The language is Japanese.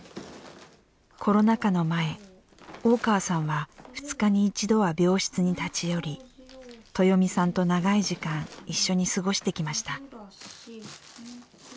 コロナ禍の前大川さんは２日に一度は病室に立ち寄りトヨミさんと長い時間一緒に過ごしてきました。